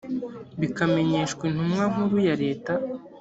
bikamenyeshwa intumwa nkuru ya leta